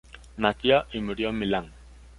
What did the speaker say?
Nació y murió en Milán.